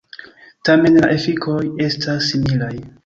Tamen la efikoj estas similaj.